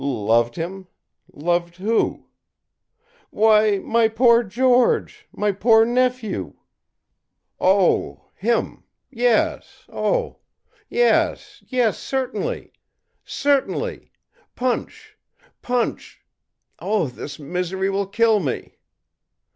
ì'Loved him! Loved who?' ì'Why, my poor George! my poor nephew!' ì'Oh him! Yes oh, yes, yes. Certainly certainly. Punch punch oh, this misery will kill me!'